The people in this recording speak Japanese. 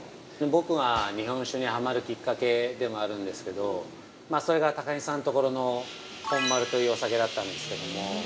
◆僕が日本酒にはまるきっかけでもあるんですけどそれが高木さんところの本丸というお酒だったんですけども。